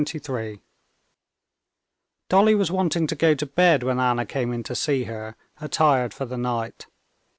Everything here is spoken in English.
Chapter 23 Dolly was wanting to go to bed when Anna came in to see her, attired for the night.